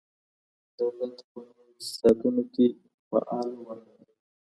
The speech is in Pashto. دولت په نویو اقتصادونو کي فعاله ونډه لري.